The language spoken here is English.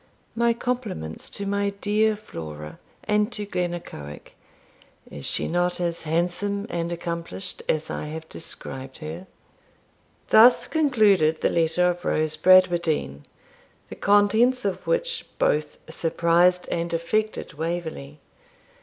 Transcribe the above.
My compliments to my dear Flora and to Glennaquoich. Is she not as handsome and accomplished as I have described her? Thus concluded the letter of Rose Bradwardine, the contents of which both surprised and affected Waverley.